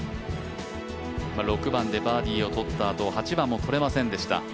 ６番でバーディーをとったあと８番もとれませんでした。